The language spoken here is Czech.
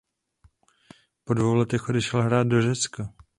Po dvou letech odešel hrát do Řecka.